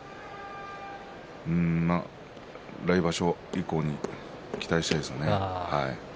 来場所以降に期待したいです。